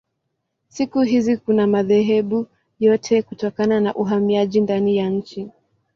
Siku hizi kuna madhehebu yote kutokana na uhamiaji ndani ya nchi.